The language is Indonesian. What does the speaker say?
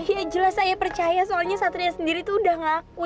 iya jelas saya percaya soalnya satria sendiri tuh udah ngaku